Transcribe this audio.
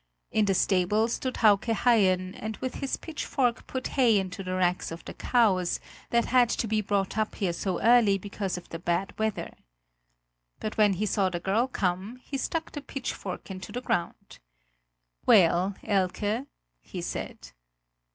In the stable stood Hauke Haien and with his pitchfork put hay into the racks of the cows that had to be brought up here so early because of the bad weather. But when he saw the girl come, he stuck the pitchfork into the ground. "Well, Elke!" he said.